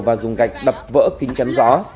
và dùng gạch đập vỡ kính chắn gió